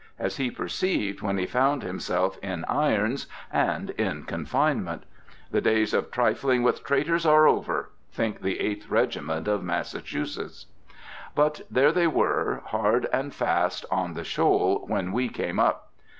as he perceived, when he found himself in irons and in confinement. "The days of trifling with traitors are over!" think the Eighth Regiment of Massachusetts. But there they were, hard and fast on the shoal, when we came up.